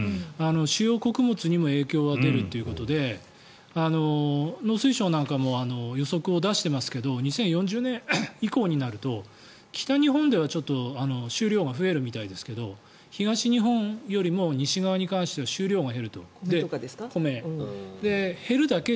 主要穀物にも影響が出るということで農水省なんかも予測を出していますけど２０４０年以降になると北日本では収量が増えるみたいですが東日本よりも西側に関しては収量が減ると。